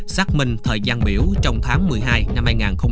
xác minh thời gian biểu trong tháng một mươi hai năm hai nghìn một mươi tám